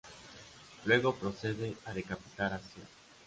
Luego procede a decapitar a Sean.